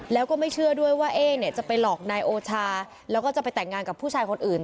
แล้วก็ไม่เชื่อด้วยว่าเอ๊เนี่ยจะไปหลอกนายโอชาแล้วก็จะไปแต่งงานกับผู้ชายคนอื่น